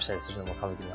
歌舞伎では。